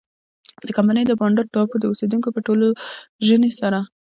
د کمپنۍ د بانډا ټاپو د اوسېدونکو په ټولوژنې سره.